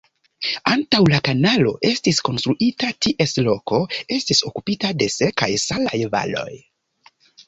Antaŭ la kanalo estis konstruita, ties loko estis okupita de sekaj salaj valoj.